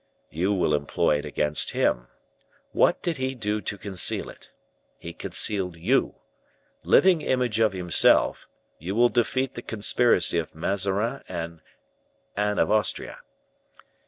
"You will employ it against him. What did he do to conceal it? He concealed you. Living image of himself, you will defeat the conspiracy of Mazarin and Anne of Austria.